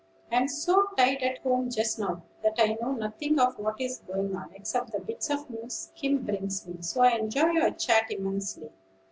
"I am so tied at home just now, that I know nothing of what is going on, except the bits of news Skim brings me; so I enjoy your chat immensely.